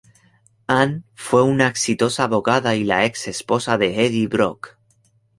Ann fue una exitosa abogada y la ex esposa de Eddie Brock.